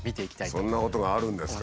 そんなことがあるんですか？